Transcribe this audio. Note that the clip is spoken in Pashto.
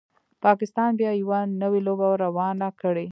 پاکستان بیا یوه نوي لوبه روانه کړي